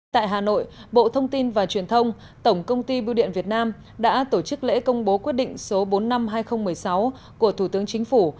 tại hà nội bộ thông tin và truyền thông tổng công ty bưu điện việt nam đã tổ chức lễ công bố quyết định số bốn năm hai nghìn một mươi sáu của thủ tướng chính phủ